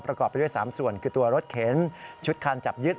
ประกอบไปด้วย๓ส่วนคือตัวรถเข็นชุดคันจับยึด